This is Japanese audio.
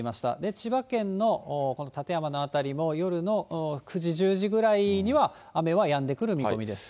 千葉県のこの館山の辺りも、夜の９時、１０時ぐらいには雨はやんでくる見込みです。